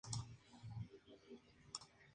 Antes del amanecer Helgi debía retornar al Valhalla.